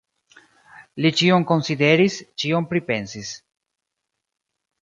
Li ĉion konsideris, ĉion pripensis.